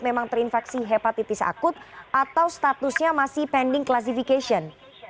memang terinfeksi hepatitis akut atau statusnya masih pending classification